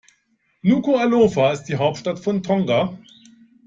Nukuʻalofa ist die Hauptstadt von Tonga.